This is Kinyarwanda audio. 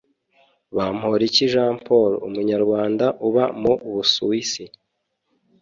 bamporiki jean paul umunyarwanda uba mu busuwisi